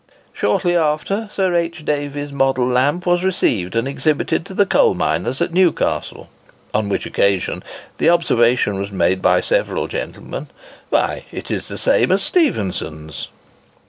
Shortly after, Sir H. Davy's model lamp was received and exhibited to the coal miners at Newcastle, on which occasion the observation was made by several gentlemen, "Why, it is the same as Stephenson's!"